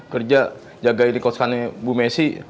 kerja jaga ilikosannya bu messi